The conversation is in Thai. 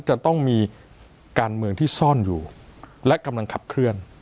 จะต้องมีการเมืองที่ซ่อนอยู่และกำลังขับเคลื่อน